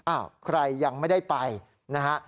อ้าวใครยังไม่ได้ไปนะฮะ